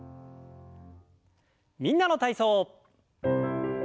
「みんなの体操」。